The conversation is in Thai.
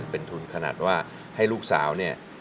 เป็นทุนขนาดว่าให้ลูกสาวเนี่ย